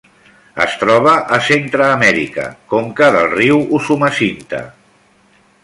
Es troba a Centreamèrica: conca del riu Usumacinta.